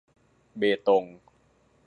เบตง